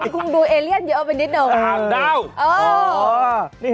คุณดูเอเลียนเยอะไปนิดหน่อย